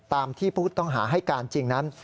ตามที่พระพุทธต้องหาให้การจริงนั้น